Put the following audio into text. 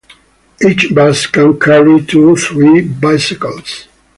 Each bus can carry two to three bicycles.